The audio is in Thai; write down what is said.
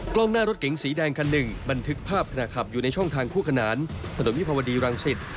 กล้องหน้ารถเก๋งสีแดงคันหนึ่งบันทึกภาพขณะขับอยู่ในช่องทางคู่ขนานถนนวิภาวดีรังสิต